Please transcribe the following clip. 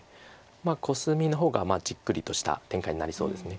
コスミの方がじっくりとした展開になりそうです。